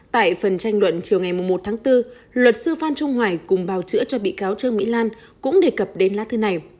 tại phần tranh luận chiều ngày một tháng bốn luật sư phan trung hoài cùng bào chữa cho bị cáo trương mỹ lan cũng đề cập đến lá thư này